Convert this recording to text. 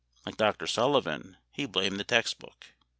Like Dr. Sullivan, he blamed the text book.